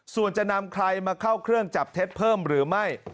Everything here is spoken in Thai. ส่วนจะนำใครมาเข้าเครื่องจับเท็จเพิ่มหรือไม่